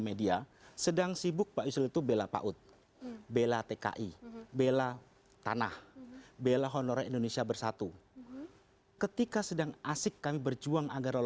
menggelar konferensi pers pada rabu sore